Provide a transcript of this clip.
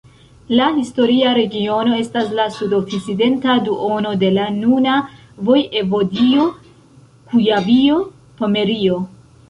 La historia regiono estas la sudokcidenta duono de la nuna vojevodio Kujavio-Pomerio.